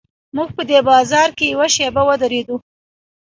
موږ په دې بازار کې یوه شېبه ودرېدو.